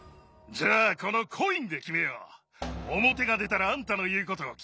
じゃあこのコインで決めよう！